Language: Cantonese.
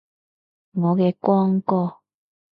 我嘅光哥